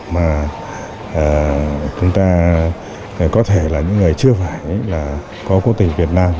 mà chúng ta có thể là những người chưa phải là có quốc tịch việt nam